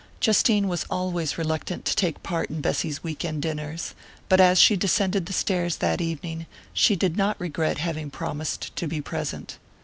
Justine was always reluctant to take part in Bessy's week end dinners, but as she descended the stairs that evening she did not regret having promised to be present.